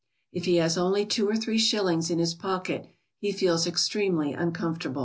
If he has only two or three shillings in his pocket, he feels extremely uncomfortable.